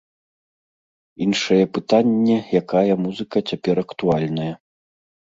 Іншае пытанне, якая музыка цяпер актуальная.